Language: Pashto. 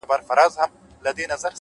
o چي يو ځل بيا څوک په واه ـواه سي راته ـ